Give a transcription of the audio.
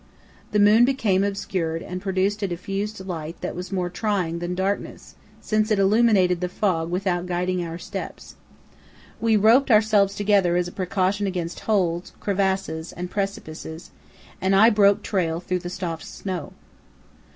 The moon became obscured and produced a diffused light that was more trying than darkness, since it illuminated the fog without guiding our steps. We roped ourselves together as a precaution against holes, crevasses, and precipices, and I broke trail through the soft snow.